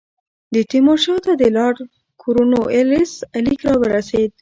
د تیمور شاه ته د لارډ کورنوالیس لیک را ورسېد.